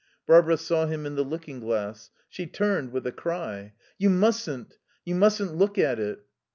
Barbara saw him in the looking glass. She turned, with a cry: "You mustn't! You mustn't look at it."